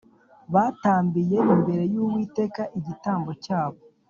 batambiye imbere y Uwiteka igitambo cyabo